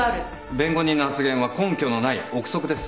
弁護人の発言は根拠のない臆測です。